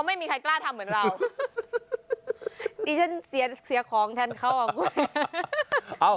ไม่มีใครกล้าทำเหมือนเรานี่ฉันเสียเสียของท่านเข้าออกไว้